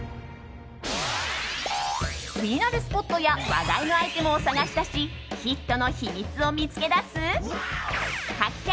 気になるスポットや話題のアイテムを探し出しヒットの秘密を見つけ出す発見！